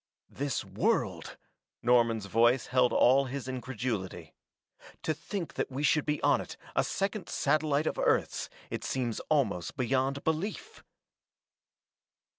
"This world!" Norman's voice held all his incredulity. "To think that we should be on it a second satellite of Earth's it seems almost beyond belief."